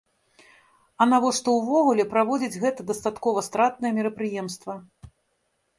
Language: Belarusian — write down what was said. А навошта ўвогуле праводзіць гэта дастаткова стратнае мерапрыемства?